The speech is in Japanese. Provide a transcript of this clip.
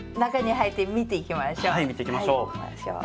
はい見ていきましょう。